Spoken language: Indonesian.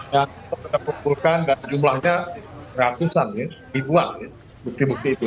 yang kita kumpulkan dan jumlahnya ratusan ya ribuan bukti bukti itu